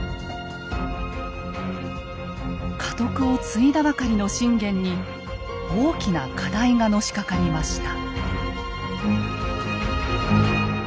家督を継いだばかりの信玄に大きな課題がのしかかりました。